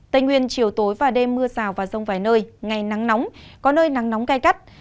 tây nguyên chiều tối và đêm mưa sào và sông vài nơi ngày nắng nóng có nơi nắng nóng cay cắt